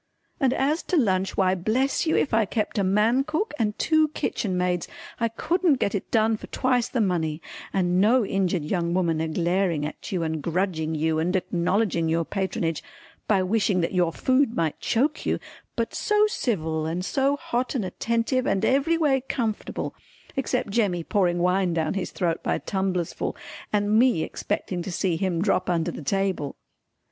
And as to lunch why bless you if I kept a man cook and two kitchen maids I couldn't got it done for twice the money, and no injured young woman a glaring at you and grudging you and acknowledging your patronage by wishing that your food might choke you, but so civil and so hot and attentive and every way comfortable except Jemmy pouring wine down his throat by tumblers full and me expecting to see him drop under the table.